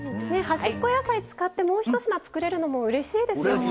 端っこ野菜使ってもう１品作れるのもうれしいですよね。